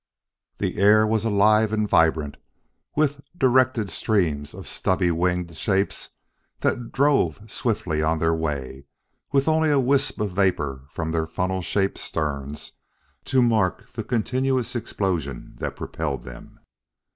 The air was alive and vibrant with directed streams of stubby winged shapes that drove swiftly on their way, with only a wisp of vapor from their funnel shaped sterns to mark the continuous explosion that propelled them.